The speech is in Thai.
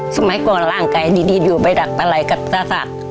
สมัยก่อนร่างไกดีอยู่ไปดักปลาไหล่ก็ตาถัด